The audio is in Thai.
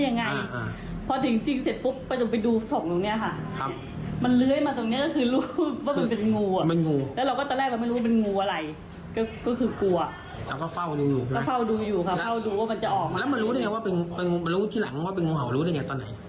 แล้วมันรู้ได้ไงมันรู้ที่หลังว่าเป็นงูเห่ารู้ได้ไงตอนไหน